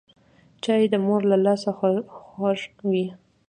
چای د مور له لاسه خوږ وي